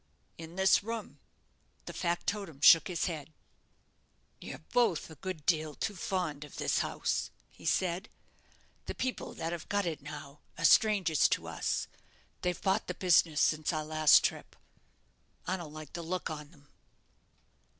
"In this room." The factotum shook his head. "You're both a good deal too fond of this house," he said. "The people that have got it now are strangers to us. They've bought the business since our last trip. I don't like the look on them."